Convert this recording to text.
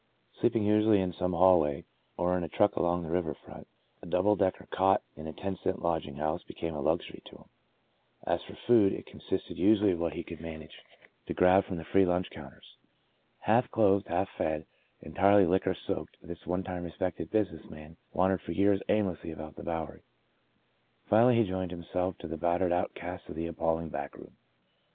Sleeping usually in some hallway or in a truck along the river front, a " double decker " cot in a ten cent lodging house became a luxury to him. As for food, it consisted usually of what he could manage 48 De Profundis to grab from the free lunch counters. Half clothed, half fed, entirely liquor soaked, this one time respected business man wandered for years aimlessly about the Bowery. Finally, he joined himself to the battered outcasts of that appalling back room.